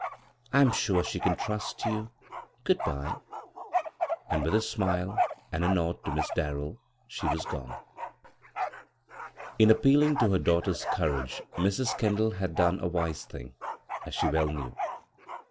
I'm sure she can trust you I Good bye." And with a smile and a Dod to Miss Darrell, she was gcxie. In appealing to her daughter's courage Mrs. Kendall had done a wise thing, as she well knew.